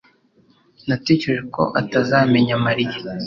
Natekereje ko atazamenya Mariya